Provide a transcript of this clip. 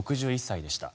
６１歳でした。